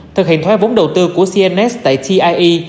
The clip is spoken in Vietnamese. thực hiện thoái vốn đầu tư của cnns tại tie